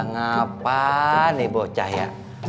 ngapaaan nih bocah ya